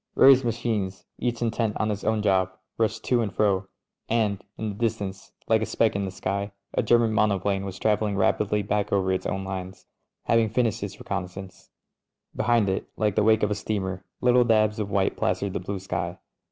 Various machines, each intent on its own job, rushed to and fro, and in the distance, * 9 '2" Howitzer. 287 288 MEN, WOMEN AND GUNS like a speck in the sky, a German monoplane was travelling rapidly back over its own lines, having fin ished its reconnaissance. Behind it, like the wake of a steamer, little dabs of white plastered the blue sky.